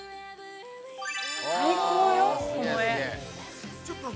最高よ、この絵。